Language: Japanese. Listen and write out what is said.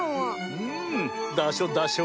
うん。